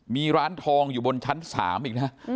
มีร้านทองอยู่บนชั้น๓อีกนะ